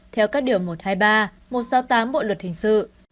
theo các điều một trăm hai mươi ba một trăm sáu mươi tám bộ luật hình sự